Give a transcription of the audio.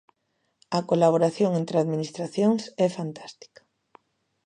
A colaboración entre administracións é fantástica.